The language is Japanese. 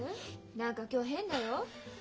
何か今日変だよ。